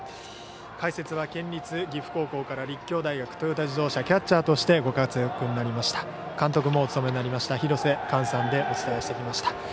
解説は県立岐阜高校から立教大学トヨタ自動車キャッチャーとしてご活躍になりました監督もお務めになりました廣瀬寛さんでお伝えしてきました。